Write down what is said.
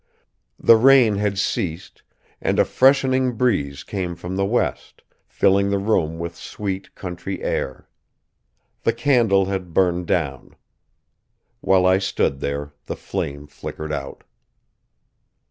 The rain had ceased and a freshening breeze came from the west, filling the room with sweet country air. The candle had burned down. While I stood there, the flame flickered out.